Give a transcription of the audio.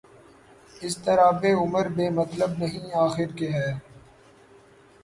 اضطرابِ عمر بے مطلب نہیں آخر کہ ہے